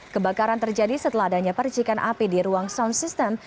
kebakaran terjadi setelah adanya percikan api di ruang sound system